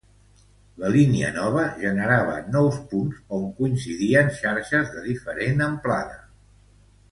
La línia nova generava nous punts on coincidien xarxes de diferent amplada.